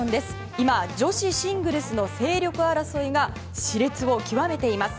今、女子シングルスの勢力争いがし烈を極めています。